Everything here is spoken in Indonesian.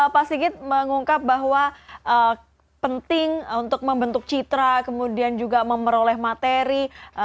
pak sigit mengungkap bahwa penting untuk membentuk citra kemudian juga memperoleh materi